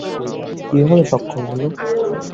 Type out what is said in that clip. কীভাবে সক্ষম হলো?